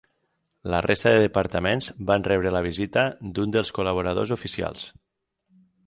La resta de departaments van rebre la visita d'un dels col·laboradors oficials.